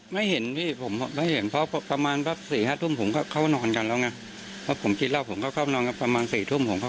แล้วก็ออกประมาณตีสี่กว่าตีห้าอะไรอย่างนี้ประมาณนั้นนะ